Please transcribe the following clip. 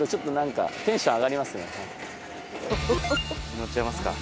乗っちゃいますか。